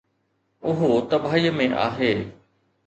اهو تباهيءَ ۾ آهي.